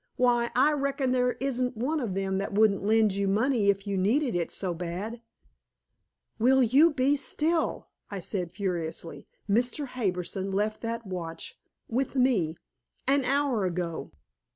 Why, I reckon there isn't one of them that wouldn't lend you money if you needed it so bad." "Will you be still?" I said furiously. "Mr. Harbison left that watch with me an hour ago.